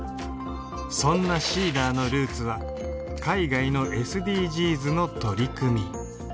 そんなＳｅｅｄｅｒのルーツは海外のＳＤＧｓの取り組み